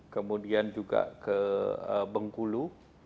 kemudian juga ke bengkulu